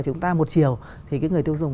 chúng ta một chiều thì cái người tiêu dùng